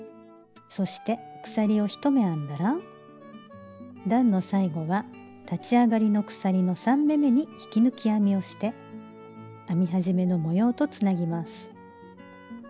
そして鎖を１目編んだら段の最後は立ち上がりの鎖の３目めに引き抜き編みをして編み始めの模様とつなぎます。